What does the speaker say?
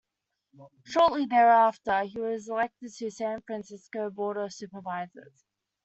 Shortly thereafter, he was elected to the San Francisco Board of Supervisors.